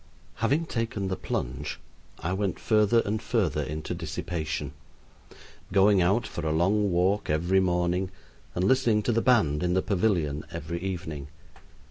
Having taken the plunge, I went further and further into dissipation, going out for a long walk every morning and listening to the band in the pavilion every evening.